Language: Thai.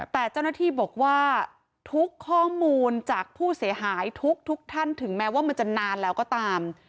แต่เจ้าหน้าที่บอกว่าทุกข้อมูลจากผู้เสียหายทุกท่านถึงแม้ว่ามันจะนานแล้วก็ตาม